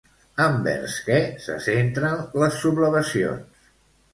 Envers què se centren les sublevacions?